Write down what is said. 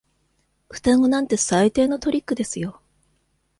双子なんて最低のトリックですよ。